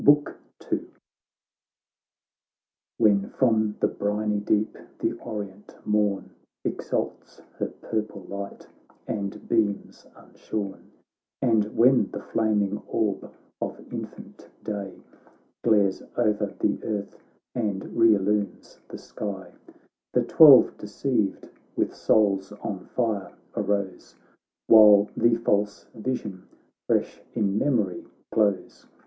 BOOK II When from the briny deep the orient morn Exalts her purple light and beams unshorn, And when the flaming orb of infant day Glares o'er the earth and re illumes the sky, The twelve deceived, with souls on fire, arose, While the false vision fresh in memory glows.